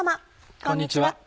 こんにちは。